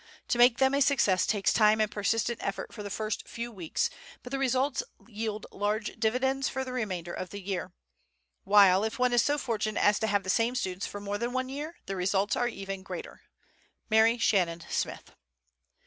To make them a success takes time and persistent effort for the first few weeks, but the results yield large dividends for the remainder of the year. While, if one is so fortunate as to have the same students for more than one year, the results are even greater. MARY SHANNON SMITH.